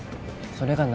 それが何？